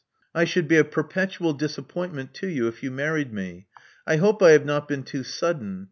I should be a perpetual disappointment to you if you married me. I hope I have not been too sudden.